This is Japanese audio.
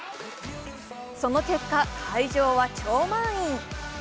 その結果、会場は超満員。